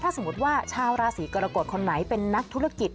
สมมติว่าชาวราศีกรกฎคนไหนเป็นนักธุรกิจ